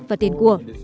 và tiền của